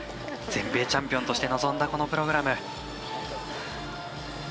全米チャンピオンとして臨んだプログラム。